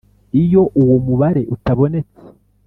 Iyo uwo mubare utabonetse